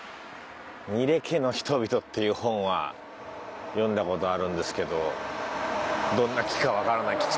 『楡家の人びと』っていう本は読んだ事あるんですけどどんな木かわからない。